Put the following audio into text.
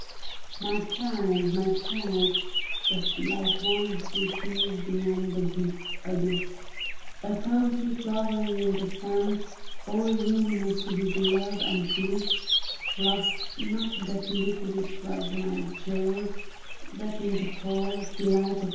My child, my child ! But she like one Who sees beyond the deep abyss, 112 THE BARRICADE, A country flowering in the sun, All luminous with love and bliss, Lost not that look which was my joy, But in the coy Delight of.